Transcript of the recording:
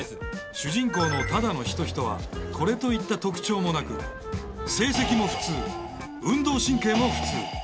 主人公の只野仁人はこれといった特徴もなく成績も普通運動神経も普通。